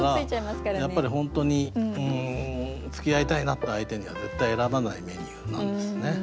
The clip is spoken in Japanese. だからやっぱり本当につきあいたいなっていう相手には絶対選ばないメニューなんですねイカスミパスタ。